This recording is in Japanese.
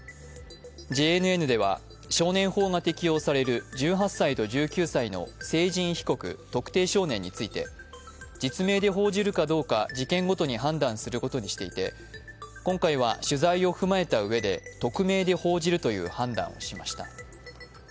ＪＮＮでは少年法が適用される１８歳と１９歳の成人被告・特定少年について実名で報じるかどうか事件ごとに判断することにしていて今回は、取材を踏まえた上で匿名で報じるという判断をしました。